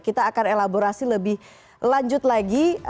kita akan elaborasi lebih lanjut lagi